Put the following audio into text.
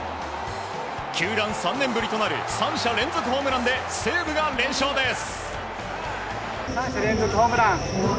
球団３年ぶりとなる３者連続ホームランで西武が連勝です。